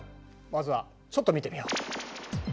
まずはちょっと見てみよう。